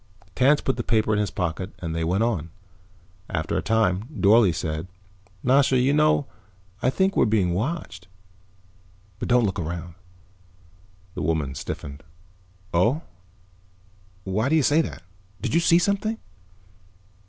Tance put the paper in his pocket and they went on. After a time Dorle said, "Nasha, you know, I think we're being watched. But don't look around." The woman stiffened. "Oh? Why do you say that? Did you see something?"